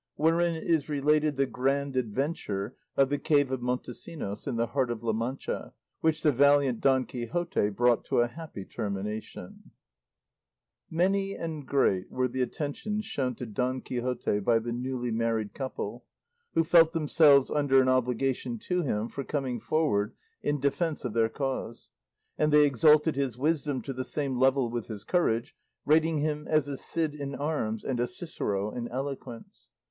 WHEREIN IS RELATED THE GRAND ADVENTURE OF THE CAVE OF MONTESINOS IN THE HEART OF LA MANCHA, WHICH THE VALIANT DON QUIXOTE BROUGHT TO A HAPPY TERMINATION Many and great were the attentions shown to Don Quixote by the newly married couple, who felt themselves under an obligation to him for coming forward in defence of their cause; and they exalted his wisdom to the same level with his courage, rating him as a Cid in arms, and a Cicero in eloquence.